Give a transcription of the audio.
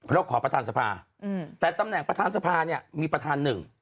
เราขอประธานสภาแต่ตำแหน่งประธานสภาเนี่ยมีประธานหนึ่ง